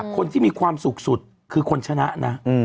คนที่มีความสุขสุดคือคนชนะนะ